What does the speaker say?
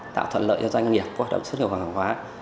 tạo thuận lợi cho doanh nghiệp hoạt động xuất hiện hàng hóa